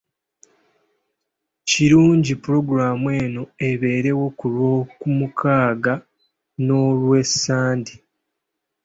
Kirungi pulogulaamu eno ebeerewo ku Lwomukaaga n’Olwessande.